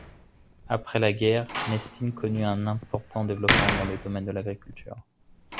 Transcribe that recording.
Après la guerre, Neštin connut un important développement dans le domaine de l'agriculture.